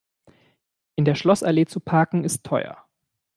In der Schlossallee zu parken, ist teuer.